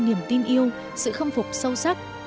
niềm tin yêu sự khâm phục sâu sắc